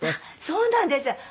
そうなんです。